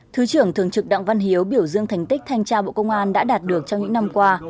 thứ trưởng thường trực đặng văn hiếu biểu dương thành tích thanh tra bộ công an đã đạt được trong những năm qua